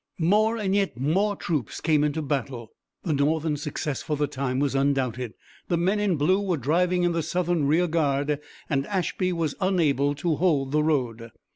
More and yet more troops came into battle. The Northern success for the time was undoubted. The men in blue were driving in the Southern rear guard, and Ashby was unable to hold the road.